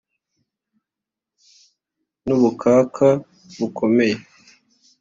N'ubukaka bukomeye